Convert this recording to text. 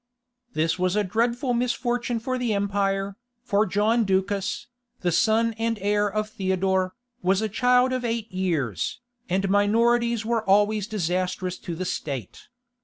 This was a dreadful misfortune for the empire, for John Ducas, the son and heir of Theodore, was a child of eight years, and minorities were always disastrous to the state.